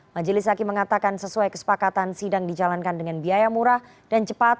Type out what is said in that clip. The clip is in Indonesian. majelis hakim mengatakan sesuai kesepakatan sidang dijalankan dengan biaya murah dan cepat